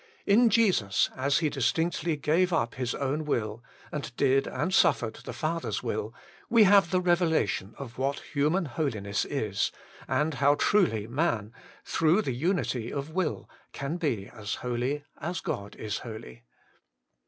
In Jesus, as He distinctly gave up His own will, and did and suffered the Father's will, we have the revelation of what human holiness is, and how truly man, 128 HOLY IN CHKIST. through the unity of will, can be holy as God is holy.